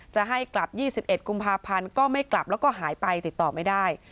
จะให้กลับ๒๑กุมภาพันธ์ก็ไม่กลับแล้วก็หายไปติดต่อไม่ได้